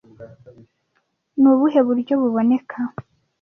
Ni ubuhe buryo buboneka